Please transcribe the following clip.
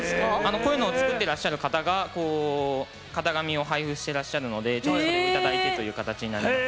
こういうのを作ってらっしゃる方が型紙を配布してらっしゃるのでそれを頂いてという形になります。